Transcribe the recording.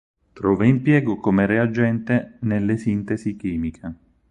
Trova impiego come reagente nelle sintesi chimiche.